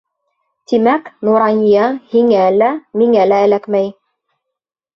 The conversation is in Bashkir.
Тимәк, Нурания һиңә лә, миңә лә эләкмәй.